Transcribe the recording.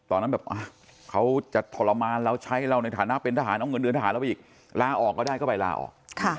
ตอนนั้นแบบเขาจะทรมานเราใช้เราในฐานะเป็นทหารเอาเงินเดือนทหารเราไปอีกลาออกก็ได้ก็ไปลาออก